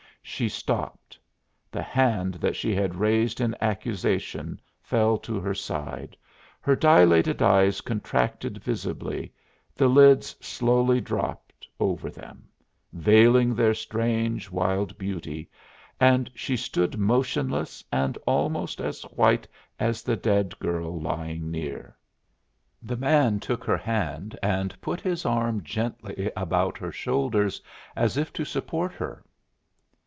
She stopped; the hand that she had raised in accusation fell to her side, her dilated eyes contracted visibly, the lids slowly dropped over them, veiling their strange wild beauty, and she stood motionless and almost as white as the dead girl lying near. The man took her hand and put his arm gently about her shoulders, as if to support her.